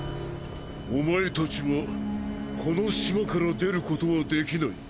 お前たちはこの島から出ることはできない。